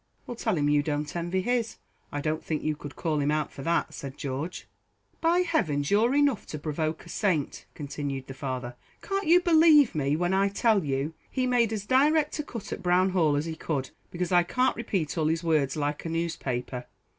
"Well, tell him you don't envy his. I don't think you could call him out for that," said George. "By heavens you're enough to provoke a saint!" continued the father. "Can't you believe me, when I tell you, he made as direct a cut at Brown Hall as he could, because I can't repeat all his words like a newspaper?